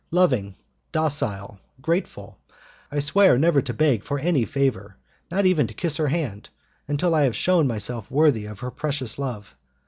Loving, docile, grateful, I swear never to beg for any favour, not even to kiss her hand, until I have shewn myself worthy of her precious love!